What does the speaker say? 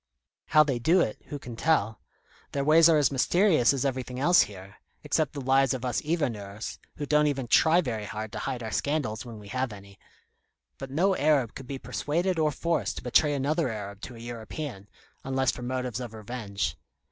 How they do it, who can tell? Their ways are as mysterious as everything else here, except the lives of us hiverneurs, who don't even try very hard to hide our own scandals when we have any. But no Arab could be persuaded or forced to betray another Arab to a European, unless for motives of revenge.